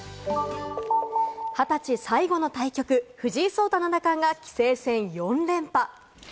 二十歳最後の対局、藤井聡太七冠が棋聖戦４連覇。